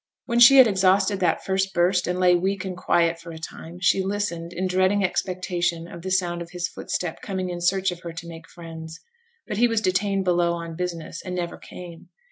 When she had exhausted that first burst and lay weak and quiet for a time, she listened in dreading expectation of the sound of his footstep coming in search of her to make friends. But he was detained below on business, and never came.